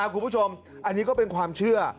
คุณผู้ชมอันนี้ก็เป็นความเชื่อ